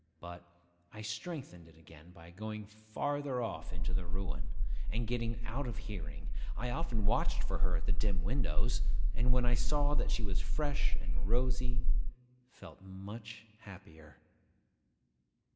But I strengthened it again by going farther off into the ruin, and getting out of hearing. I often watched for her at the dim windows; and, when I saw that she was fresh and rosy, felt much happier.